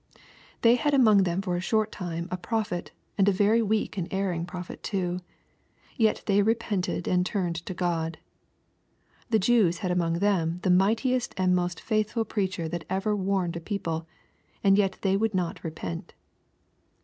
They had among them for a short timp a prophet, and a very weak and erring prophet too. Yet they repented and turned to G od. The Jews had among them the mightiest and most faith ful preacher that ever warned a people, and yet they would not repent.